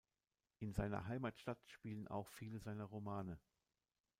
In seiner Heimatstadt spielen auch viele seiner Romane.